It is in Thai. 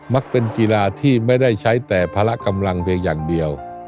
มักเป็นกีฬาที่ไม่ได้ใช้แต่ภาระกำลังเพียงอย่างเดียว